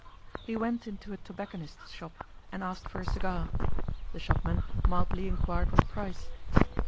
He went into a tobacconist's shop and asked for a cigar. The shopman mildly inquired what price.